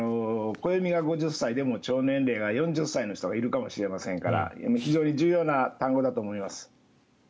暦が５０歳でも腸年齢が４０歳の人がいるかもしれませんから非常に重要な単語だと思います。